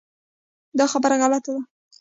دا خبره غلطه ده .